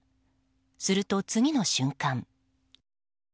すると次の瞬間。